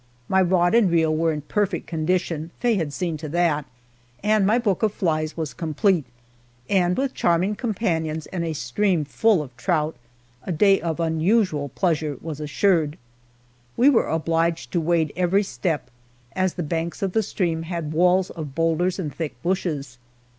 My rod and reel were in perfect condition Faye had seen to that and my book of flies was complete, and with charming companions and a stream full of trout, a day of unusual pleasure was assured. We were obliged to wade every step, as the banks of the stream had walls of boulders and thick bushes.